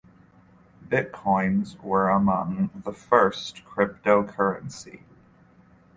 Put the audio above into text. Bitcoins were among the first cryptocurrency.